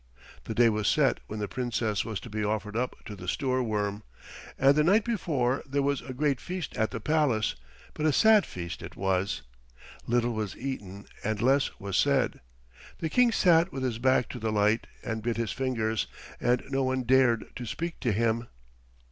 The day was set when the Princess was to be offered up to the Stoorworm, and the night before there was a great feast at the palace, but a sad feast it was. Little was eaten and less was said. The King sat with his back to the light and bit his fingers, and no one dared to speak to him.